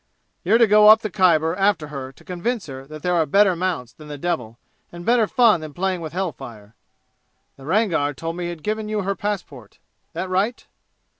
You're to go up the Khyber after her to convince her that there are better mounts than the devil and better fun than playing with hell fire! The Rangar told me he had given you her passport that right?"